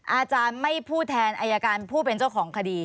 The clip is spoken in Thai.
อาจารย์ไม่พูดแทนอายการผู้เป็นเจ้าของคดี